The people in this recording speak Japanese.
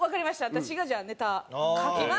私がじゃあネタ書きますって。